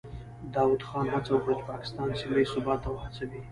داود خان هڅه وکړه چې پاکستان سیمه ییز ثبات ته وهڅوي.